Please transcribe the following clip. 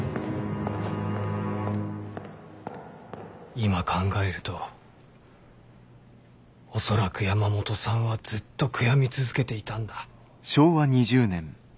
今考えると恐らく山本さんはずっと悔やみ続けていたんだ。